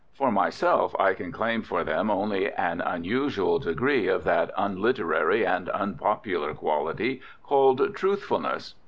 For myself, I can claim for them only an unusual degree of that unliterary and unpopular quality called truthfulness.